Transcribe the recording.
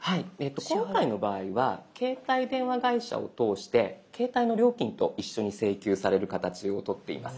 今回の場合は携帯電話会社を通して携帯の料金と一緒に請求される形をとっています。